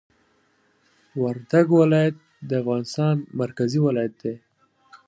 وردګ ولایت د افغانستان مرکزي ولایت دي